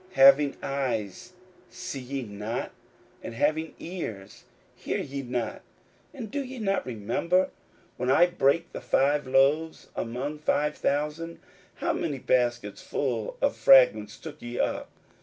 41:008:018 Having eyes, see ye not? and having ears, hear ye not? and do ye not remember? 41:008:019 When I brake the five loaves among five thousand, how many baskets full of fragments took ye up?